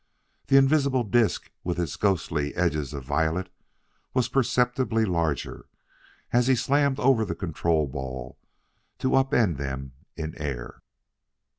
The invisible disk with its ghostly edges of violet was perceptibly larger as he slammed over the control ball to up end them in air.